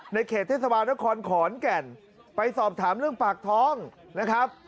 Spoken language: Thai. เขตเทศบาลนครขอนแก่นไปสอบถามเรื่องปากท้องนะครับ